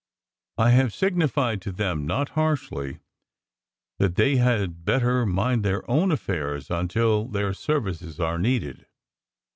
I have signified to them, not harshly, that they had better mind their own affairs until their services are needed.